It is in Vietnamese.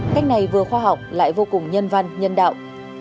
cách này vừa khoa học lại vô cùng nhân văn nhân đạo